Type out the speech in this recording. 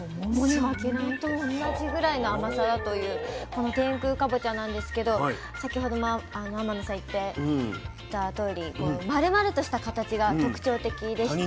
桃と同じぐらいの甘さだというこの天空かぼちゃなんですけど先ほども天野さん言ってたとおりこのまるまるとした形が特徴的でして。